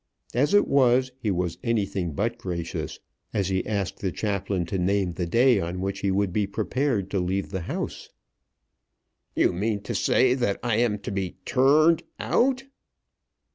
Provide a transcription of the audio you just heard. As it was he was anything but gracious, as he asked the chaplain to name the day on which he would be prepared to leave the house. "You mean to say that I am to be turned out."